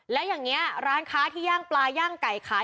แล้วอย่างนี้ร้านค้าที่ย่างปลาย่างไก่ขาย